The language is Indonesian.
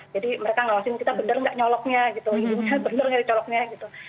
jadi mereka ngawasin kita benar nggak nyoloknya gitu